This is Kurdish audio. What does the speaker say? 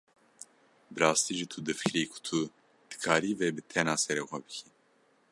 Bi rastî jî tu difikirî ku tu dikarî vê bi tena serê xwe bikî?